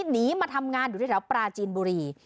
หนีมาทำงานอยู่ที่แถวปราจีนบุรี